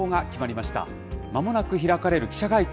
まもなく開かれる記者会見。